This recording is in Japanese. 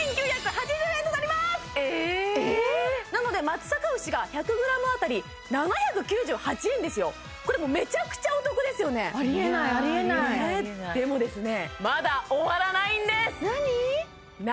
なので松阪牛が１００ｇ当たり７９８円ですよこれめちゃくちゃお得ですよねありえないありえないいやありえないでもですねまだ終わらないんです何？